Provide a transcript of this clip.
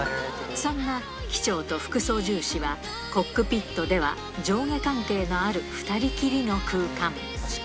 そんな機長と副操縦士は、コックピットでは上下関係のある２人きりの空間。